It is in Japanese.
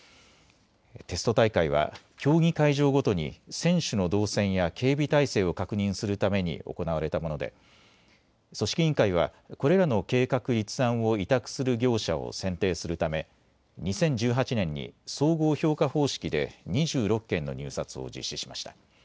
テスト大会は競技会場ごとに選手の動線や警備体制を確認するために行われたもので組織委員会はこれらの計画立案を委託する業者を選定するため２０１８年に総合評価方式で２６件の入札を実施しました。